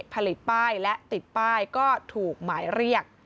ผลิตป้ายและติดป้ายก็ถูกหมายเรียก